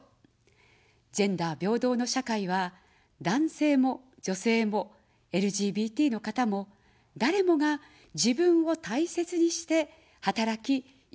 ジェンダー平等の社会は、男性も女性も、ＬＧＢＴの方も、誰もが自分を大切にして働き、生きることのできる社会です。